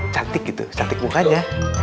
cantik gitu cantik mukanya